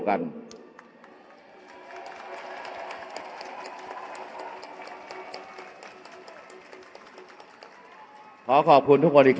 อย่าให้ลุงตู่สู้คนเดียว